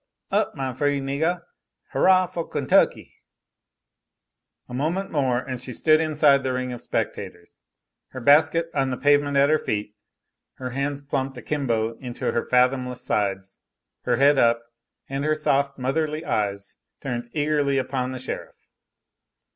"Up, my free niggah! Hurrah foh Kentucky." A moment more and she stood inside the ring of spectators, her basket on the pavement at her feet, her hands plumped akimbo into her fathomless sides, her head up, and her soft, motherly eyes turned eagerly upon the sheriff.